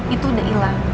itu udah ilang